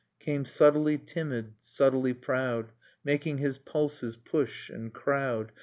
. Came subtly timid, subtly proud. Making his pulses push and crowd